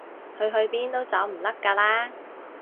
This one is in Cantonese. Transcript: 佢去邊都走唔甩㗎啦